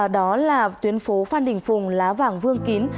đó là tuyến phố phan đình phùng lá vàng vương kín